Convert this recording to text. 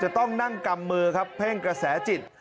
ต้องนั่งกำมือครับเพ่งกระแสจิต